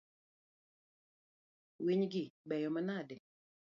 Winygi beyo manade?